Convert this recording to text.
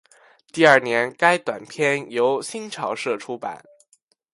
第二年该短篇由新潮社出版。